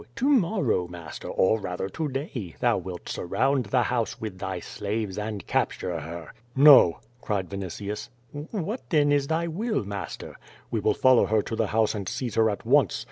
To morrow, master, or rather to day, thou wilt surround the house with thy slaves and capture her." "No!" cried Vinitius. "What then is thv will, master?" "We will follow her to the house and seize her at once.